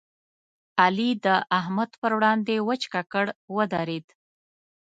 علي د احمد پر وړاندې وچ ککړ ودرېد.